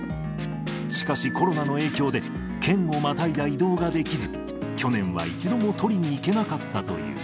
しかし、コロナの影響で県をまたいだ移動ができず、去年は一度も取りに行けなかったという。